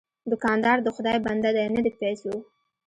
دوکاندار د خدای بنده دی، نه د پیسو.